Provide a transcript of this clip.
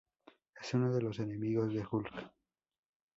Es uno de los enemigos de Hulk.